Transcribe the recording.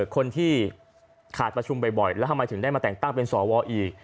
คนที่ขาดประชุมบ่อยแล้วทำไมถึงได้มาแต่งตั้งเป็นสวอีก